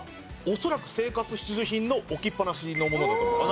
恐らく生活必需品の置きっぱなしのものだと思います。